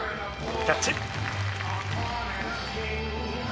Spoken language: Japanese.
キャッチ。